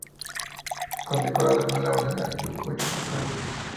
Condecorado con la Orden de Ayacucho por Perú.